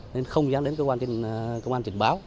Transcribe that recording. nên không dám đến cơ quan trình báo